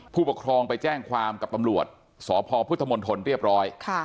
ผู้ปกครองไปแจ้งความกับตำรวจสพพุทธมนตรเรียบร้อย